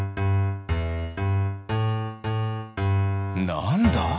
なんだ？